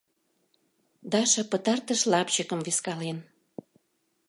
Даша пытартыш лапчыкым вискален.